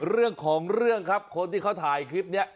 เรื่องของเรื่องครับคนที่เขาถ่ายคลิปนี้